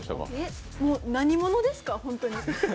何者ですか、本当に。